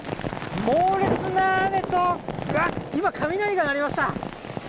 猛烈な雨と、わっ、今、雷が鳴りました。